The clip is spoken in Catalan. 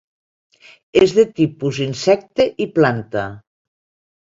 És de tipus insecte i planta.